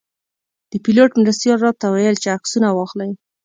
د پیلوټ مرستیال راته ویل چې عکسونه واخلئ.